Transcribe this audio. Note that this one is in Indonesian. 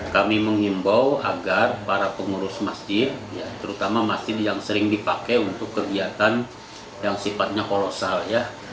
kami mengimbau agar para pengurus masjid terutama masjid yang sering dipakai untuk kegiatan yang sifatnya kolosal ya